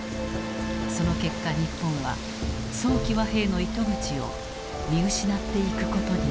その結果日本は早期和平の糸口を見失っていくことになる。